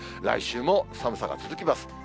来週も寒さが続きます。